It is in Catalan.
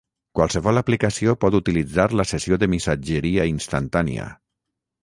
Qualsevol aplicació pot utilitzar la sessió de missatgeria instantània.